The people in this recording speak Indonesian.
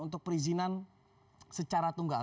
untuk perizinan secara tunggal